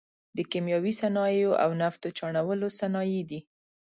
د کیمیاوي صنایعو او نفتو چاڼولو صنایع دي.